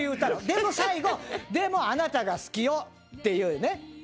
でも最後でも「あなたが好きよ」っていうね。